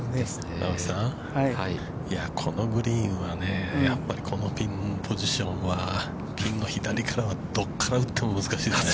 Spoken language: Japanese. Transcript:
◆青木さん、このグリーンはやっぱりこのピンポジションは、ピンの左からはどこから打っても難しいですね。